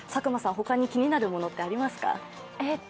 他に気になるものってありますか？